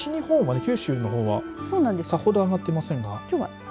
西日本は九州のほうはさほど上がっていませんが。